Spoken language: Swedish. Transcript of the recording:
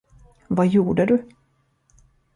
Vad gjorde du?